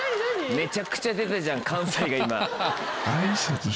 めちゃくちゃ出たじゃん関西が今。